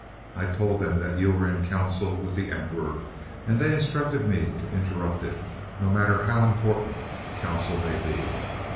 I told them that you were in council with the Emperor, and they instructed me to interrupt it, no matter how important the council may be.